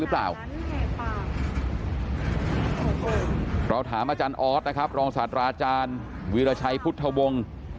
หรือเปล่าเราถามอาจารย์ออธนะครับรองศาสตราจารย์วิราชัยพุทธวงศ์